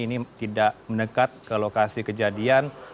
ini tidak mendekat ke lokasi kejadian